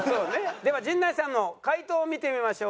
では陣内さんの解答を見てみましょう。